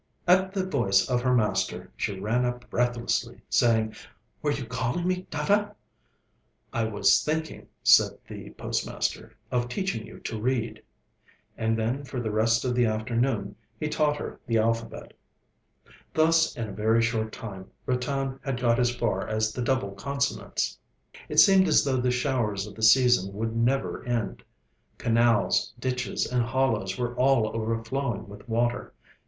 At the voice of her master, she ran up breathlessly, saying: 'Were you calling me, Dada?' 'I was thinking,' said the postmaster, 'of teaching you to read,' and then for the rest of the afternoon he taught her the alphabet. Dada = elder brother. Thus, in a very short time, Ratan had got as far as the double consonants. It seemed as though the showers of the season would never end. Canals, ditches, and hollows were all overflowing with water.